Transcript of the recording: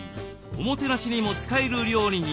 おもてなしにも使える料理に。